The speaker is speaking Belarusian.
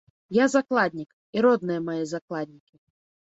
Я закладнік, і родныя мае закладнікі.